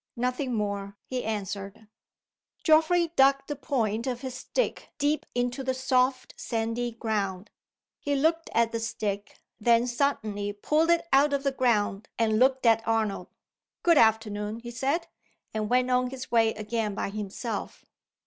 "Nothing more," he answered. Geoffrey dug the point of his stick deep into the soft, sandy ground. He looked at the stick, then suddenly pulled it out of the ground and looked at Arnold. "Good afternoon!" he said, and went on his way again by himself.